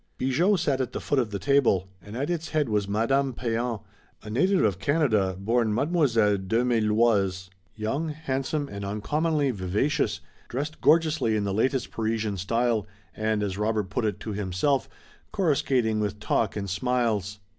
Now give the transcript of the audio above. Bigot sat at the foot of the table and at its head was Madame Pean, a native of Canada, born Mademoiselle Desméloizes, young, handsome and uncommonly vivacious, dressed gorgeously in the latest Parisian style, and, as Robert put it to himself, coruscating with talk and smiles.